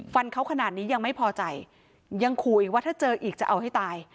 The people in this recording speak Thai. ฟันเขาขนาดนี้ยังไม่พอใจยังขู่อีกว่าถ้าเจออีกจะเอาให้ตาย